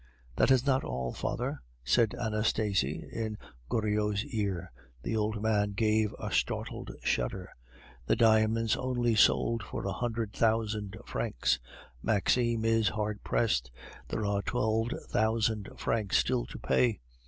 "That is not all, father," said Anastasie in Goriot's ear. The old man gave a startled shudder. "The diamonds only sold for a hundred thousand francs. Maxime is hard pressed. There are twelve thousand francs still to pay.